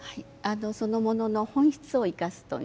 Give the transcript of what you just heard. そのものの本質を生かす。